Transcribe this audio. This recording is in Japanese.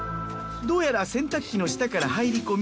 どうやら洗濯機の下から入り込み。